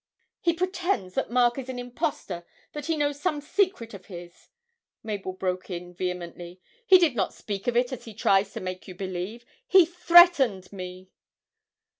'He pretends that Mark is an impostor that he knows some secret of his!' Mabel broke in vehemently. 'He did not speak of it as he tries to make you believe ... he threatened me!'